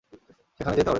সেখানে যেতে হবে।